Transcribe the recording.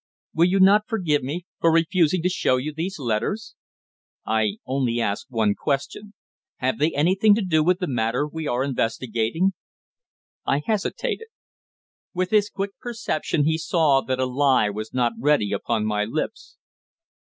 Will you not forgive me for refusing to show you these letters?" "I only ask you one question. Have they anything to do with the matter we are investigating?" I hesitated. With his quick perception he saw that a lie was not ready upon my lips.